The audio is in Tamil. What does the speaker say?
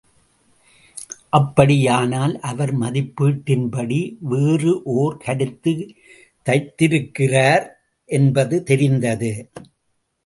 அப்படியானால் அவர் மதிப்பீட்டின்படி வேறு ஓர் கருத்து தைத்திருக்கிறார் என்பது தெரிந்தது.